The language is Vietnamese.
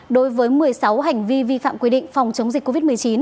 đối với một mươi sáu hành vi vi phạm quy định phòng chống dịch covid một mươi chín